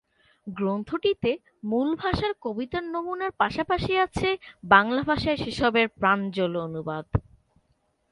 গ্রন্থটিতে মূল ভাষার কবিতার নমুনার পাশাপাশি আছে বাংলা ভাষায় সেসবের প্রাঞ্জল অনুবাদ।